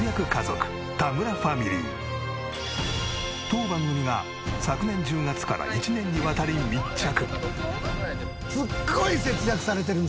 当番組が昨年１０月から１年にわたり密着。